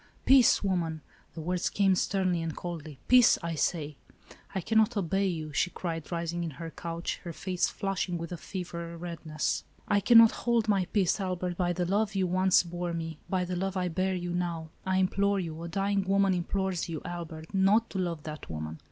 "Peace,, woman!" the words came sternly and coldly. " Peace, I say !"" I cannot obey you," she cried, rising in her couch, her face flushing with a fever redness. " I cannot hold my peace. Albert, by the love you once bore me, by the love I bear you now, I implore you, — a dying woman implores you, — Albert, not to love that woman.